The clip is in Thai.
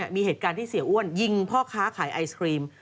มีเหตุการณ์ที่เสียอ้วนยิงพ่อค้าขายไอศครีม